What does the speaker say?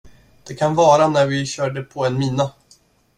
Det kan vara när vi körde på en mina.